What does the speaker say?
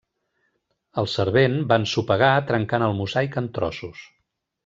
El servent va ensopegar trencant el mosaic en trossos.